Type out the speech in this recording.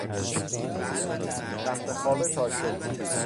تختخواب تاشو